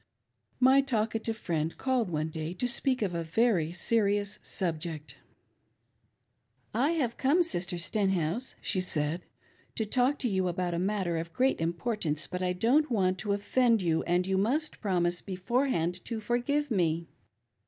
My talkative friend called one day to speak of a very serious subject. " I have come. Sister Stenhouse," she said, " to talk to yoU about a matter of great importance, but I don't want to •offend you, and you must promise beforehand to forgive me."